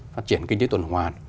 phát triển kinh tế tuần hoàn